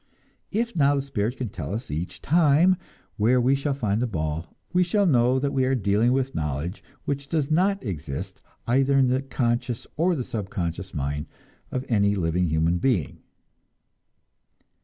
If now the spirit can tell us each time where we shall find the ball, we shall know that we are dealing with knowledge which does not exist either in the conscious or the subconscious mind of any living human being.